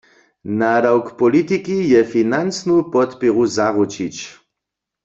Nadawk politiki je financnu podpěru zaručić.